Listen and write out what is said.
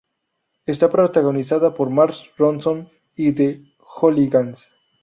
Está protagonizada por Mars, Ronson y the Hooligans.